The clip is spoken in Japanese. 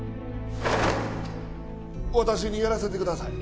私にやらせてください。